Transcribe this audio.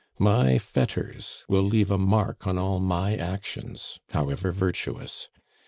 My fetters will leave a mark on all my actions, however virtuous.